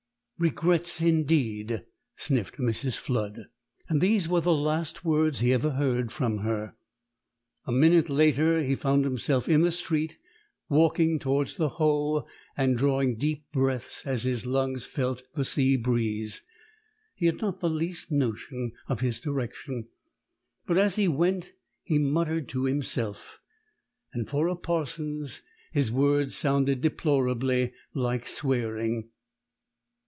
"Regrets, indeed!" sniffed Mrs. Flood. And these were the last words he ever heard from her. A minute later he found himself in the street, walking towards the Hoe and drawing deep breaths as his lungs felt the sea breeze. He had not the least notion of his direction; but as he went he muttered to himself; and for a parson's his words sounded deplorably like swearing.